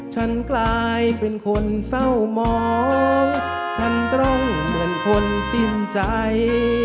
ฉันกลายเป็นคนเศร้ามองฉันต้องเหมือนคนสิ้นใจ